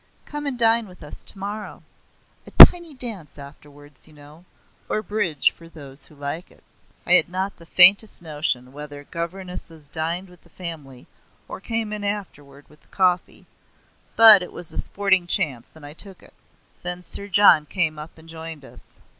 Come and dine with us tomorrow. A tiny dance afterwards, you know; or bridge for those who like it." I had not the faintest notion whether governesses dined with the family or came in afterward with the coffee; but it was a sporting chance, and I took it. Then Sir John came up and joined us.